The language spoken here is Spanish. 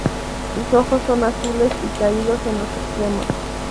Sus ojos son azules y caídos en los extremos.